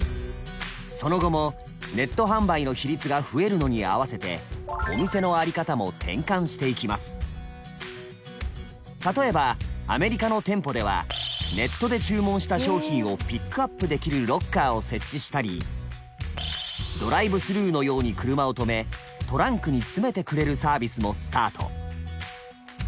その後もネット販売の比率が増えるのに合わせて例えばアメリカの店舗ではネットで注文した商品をピックアップできるロッカーを設置したりドライブスルーのように車を止めトランクにつめてくれるサービスもスタート。